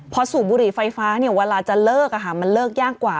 พอสูบบุหรี่ไฟฟ้าเวลาจะเลิกมันเลิกยากกว่า